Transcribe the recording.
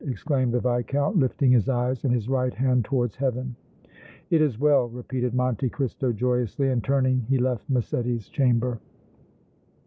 exclaimed the Viscount, lifting his eyes and his right hand towards Heaven. "It is well," repeated Monte Cristo, joyously, and turning he left Massetti's chamber.